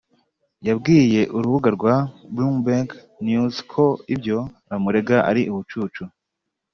yabwiye urubuga rwa Bloomberg News ko ibyo bamurega ari ubucucu